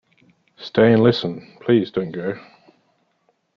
Stay and listen; please don't go